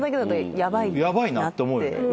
ヤバいなって思うよね。